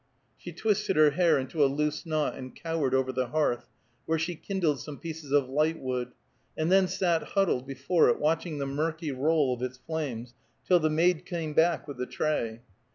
She twisted her hair into a loose knot, and cowered over the hearth, where she kindled some pieces of lightwood, and then sat huddled before it, watching the murky roll of its flames, till the maid came back with the tray.